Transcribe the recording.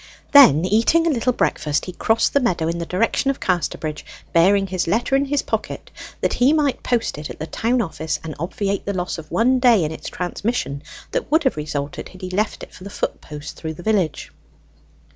Then, eating a little breakfast, he crossed the meadows in the direction of Casterbridge, bearing his letter in his pocket, that he might post it at the town office, and obviate the loss of one day in its transmission that would have resulted had he left it for the foot post through the village.